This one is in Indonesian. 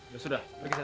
ya sudah pergi sana